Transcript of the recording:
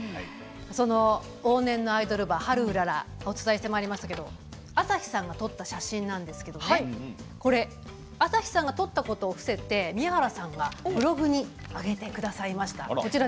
その往年のアイドル馬ハルウララをお伝えしましたけれども、朝日さんが撮った写真朝日さんが撮ったことを伏せて宮原さんがブログに上げてくださいました。